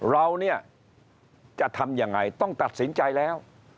เราเนี่ยจะทำยังไงต้องตัดสินใจแล้ว